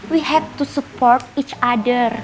kita harus support satu sama lain